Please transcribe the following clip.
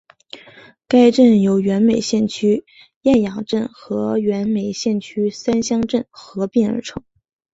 该镇由原梅县区雁洋镇和原梅县区三乡镇合并而成。